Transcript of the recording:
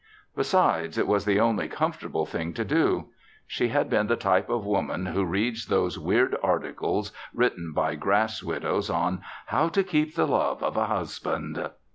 Besides, it was the only comfortable thing to do. She had been the type of woman who reads those weird articles written by grass widows on "How to Keep the Love of a Husband."